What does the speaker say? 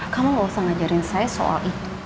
kamu gak usah ngajarin saya soal itu